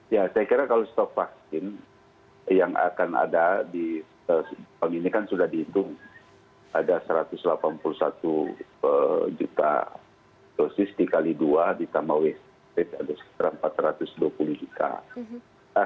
ya saya kira kalau stok vaksin yang akan ada di jepang ini kan sudah dihitung ada satu ratus delapan puluh satu juta dosis dikali dua ditambah ada sekitar empat ratus dua puluh juta